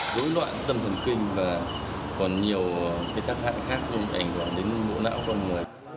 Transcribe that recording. dối loạn tâm thần kinh và còn nhiều tác hại khác cũng ảnh hưởng đến bộ não con người